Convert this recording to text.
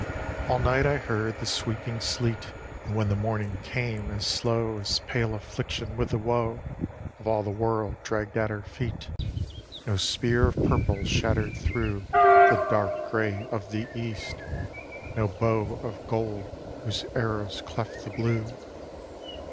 All night I heard the sweeping sleet; And when the morning came, as slow As pale affliction, with the woe Of all the world dragged at her feet, No spear of purple shattered through The dark gray of the east; no bow Of gold, whose arrows cleft the blue.